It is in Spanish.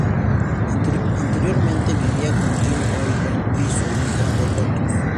Anteriormente vivía con Jen O'Brien, y su hija de Lotus.